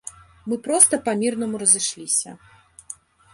Мы проста па мірнаму разышліся.